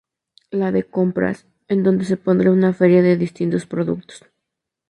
La de compras, en donde se pondrá una feria de distintos productos.